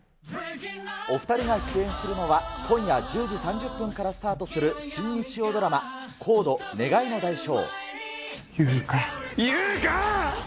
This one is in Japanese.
お２人が出演するのは、今夜１０時３０分からスタートする新日曜ドラマ、ゆうか、ゆうか！